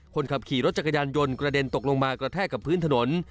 คนขับขี่รถจักรยานยนต์กระเด็นตกลงมากระแทกกับพื้นถนน